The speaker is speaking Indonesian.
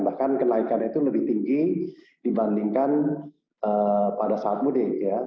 bahkan kenaikannya itu lebih tinggi dibandingkan pada saat mudik